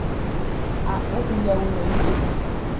a kpụpụ ya ụlọikpe.